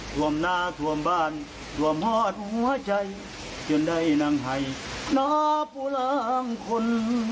ทวมหน้าทวมบ้านทวมฮอตหัวใจจนได้นางให้นาปุรางคล